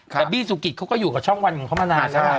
แต่บี้สุกิตเขาก็อยู่กับช่องวันของเขามานานแล้วล่ะ